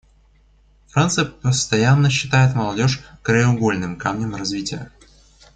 Франция постоянно считает молодежь краеугольным камнем развития.